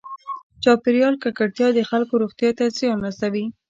چاپېریال ککړتیا د خلکو روغتیا ته زیان رسوي.